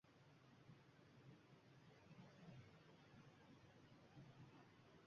Rossiyada yadro urushi yuz bergan taqdirda qo‘shinlarni boshqarish uchun “Qiyomat kuni” samolyoti yaratilmoqda